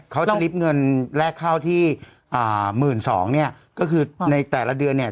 เขาจะลิฟต์เงินแลกเข้าที่๑๒๐๐๐เนี่ยก็คือในแต่ละเดือนเนี่ย